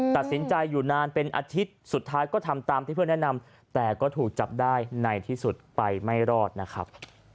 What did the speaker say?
ตัดสินใจอยู่นานเป็นอาทิตย์สุดท้ายก็ทำตามที่เพื่อนแนะนำแต่ก็ถูกจับได้ในที่สุดไปไม่รอดนะครับ